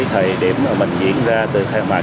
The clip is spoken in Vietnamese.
thời điểm mà mình diễn ra từ khai mạc